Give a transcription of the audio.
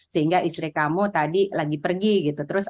sehingga istri kamu tadi lagi pergi gitu terus